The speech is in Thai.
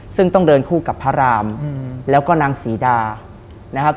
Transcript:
ซึ่งต้องเดินคู่กับพระรามแล้วก็นางศรีดานะครับ